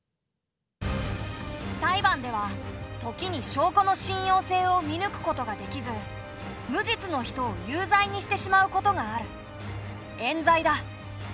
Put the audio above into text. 裁判では時に証拠の信用性を見ぬくことができず無実の人を有罪にしてしまうことがある。